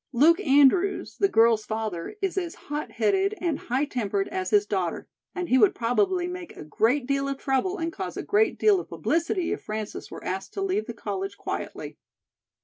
Luke Andrews, the girl's father, is as hot headed and high tempered as his daughter, and he would probably make a great deal of trouble and cause a great deal of publicity if Frances were asked to leave college quietly."